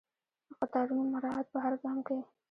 د قطارونو مراعات په هر ګام کې.